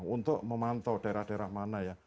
untuk memantau daerah daerah mana ya